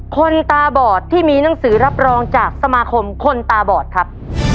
คนตาบอดที่มีหนังสือรับรองจากสมาคมคนตาบอดครับ